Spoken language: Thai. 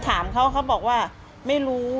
ถามเขาเขาบอกว่าไม่รู้